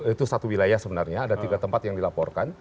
itu satu wilayah sebenarnya ada tiga tempat yang dilaporkan